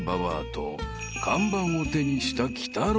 ［看板を手にした］